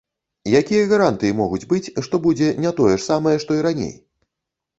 Якія гарантыі могуць быць, што будзе не тое ж самае, што і раней?